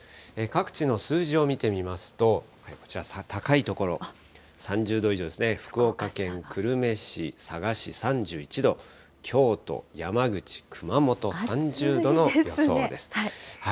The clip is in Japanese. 各地の数字を見てみますと、こちら、高い所、３０度以上ですね、福岡県久留米市、佐賀市３１度、京都、山口、熊本３０度の予想です。